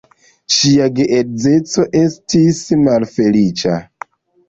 Ŝia geedzeco estis malfeliĉa.